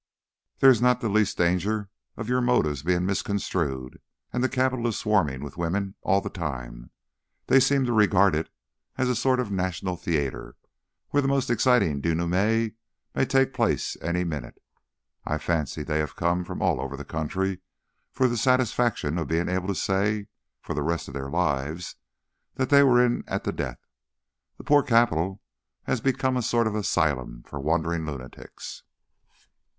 "There is not the least danger of your motives being misconstrued, and the Capitol is swarming with women, all the time. They seem to regard it as a sort of National Theatre, where the most exciting denouement may take place any minute. I fancy they have come from all over the country for the satisfaction of being able to say, for the rest of their lives, that they were in at the death. The poor Capitol has become a sort of asylum for wandering lunatics."